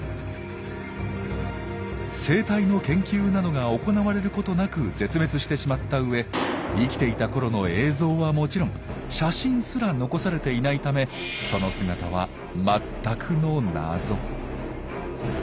生態の研究などが行われることなく絶滅してしまったうえ生きていたころの映像はもちろん写真すら残されていないためその姿は全くの謎。